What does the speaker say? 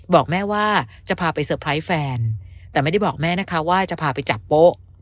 บอกแม่ว่าจะพาไปเซอร์ไพรส์แฟนแต่ไม่ได้บอกแม่นะคะว่าจะพาไปจับโป๊ะ